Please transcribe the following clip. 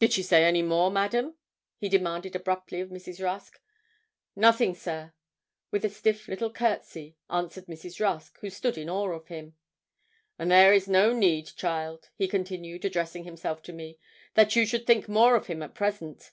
Did she say any more, madam?' he demanded abruptly of Mrs. Rusk. 'Nothing, sir,' with a stiff little courtesy, answered Mrs. Rusk, who stood in awe of him. 'And there is no need, child,' he continued, addressing himself to me, 'that you should think more of him at present.